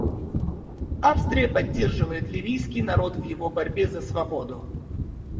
Австрия поддерживает ливийский народ в его борьбе за свободу.